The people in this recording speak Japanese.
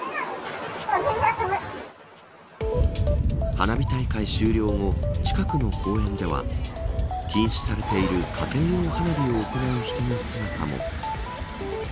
花火大会終了後近くの公園では禁止されている家庭用花火を行う人の姿も。